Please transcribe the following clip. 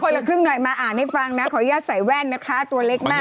ละครึ่งหน่อยมาอ่านให้ฟังนะขออนุญาตใส่แว่นนะคะตัวเล็กมาก